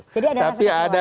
jadi ada rasa kecewa ya